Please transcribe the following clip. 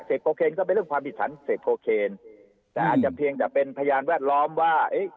โคเคนก็เป็นเรื่องความผิดฐานเสพโคเคนแต่อาจจะเพียงแต่เป็นพยานแวดล้อมว่า